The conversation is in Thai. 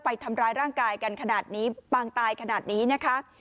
ไปทำร้ายร่างกายกันขนาดนี้ปางตายขนาดนี้นะคะ